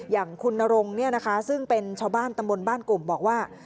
อย่างคุณนรงซึ่งเป็นชาวบ้านตำบลบ้านกลุ่มบอกว่า